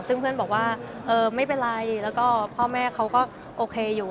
ซึ่งเพื่อนบอกว่าไม่เป็นไรแล้วก็พ่อแม่เขาก็โอเคอยู่